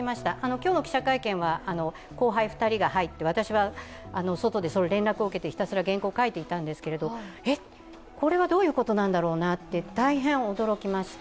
今日の記者会見は後輩２人が入って私は外で連絡を受けてひたすら原稿を書いていたんですけれども、えっ、これはどういうことなんだろうなと、大変驚きました。